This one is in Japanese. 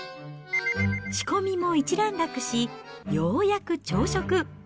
仕込みも一段落し、ようやく朝食。